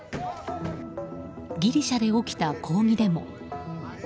ギリシャで起きた抗議デモ。